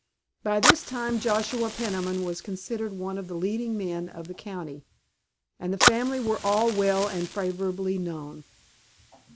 By this time Joshua Peniman was considered one of the leading men of the county, and the family were all well and favorably known.